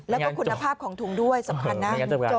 แล้วก็คุณภาพของถุงด้วยสำคัญนะ